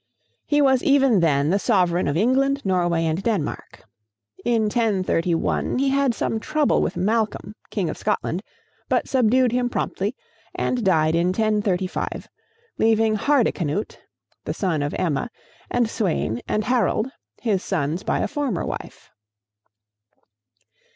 He was even then the sovereign of England, Norway, and Denmark. In 1031 he had some trouble with Malcolm, King of Scotland, but subdued him promptly, and died in 1035, leaving Hardicanute, the son of Emma, and Sweyn and Harold, his sons by a former wife.